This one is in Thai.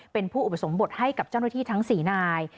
เป็นผู้อุปสรมบทให้กับเจ้านวิทยุทธิ์ทั้งสี่นาย